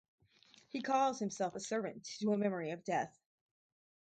He calls himself a servant to a memory of death.